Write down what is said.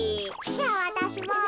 じゃあわたしも。